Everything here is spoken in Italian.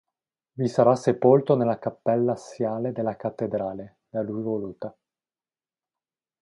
Vi sarà sepolto nella cappella assiale della cattedrale, da lui voluta.